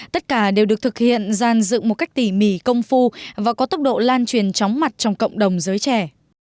tất cả đều được thực hiện gian dựng một cách tỉ mỉ công phu và có tốc độ lan truyền chóng mặt trong cộng đồng giới trẻ